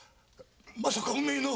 まさかおめえの。